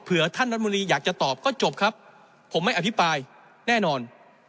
เพื่อท่านรัฐมนตรีอยากจะตอบก็จบครับผมไม่อภิปรายแน่นอน